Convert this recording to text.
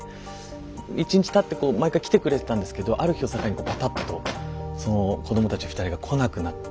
１日たって毎回来てくれてたんですけどある日を境にパタッとその子どもたち２人が来なくなって。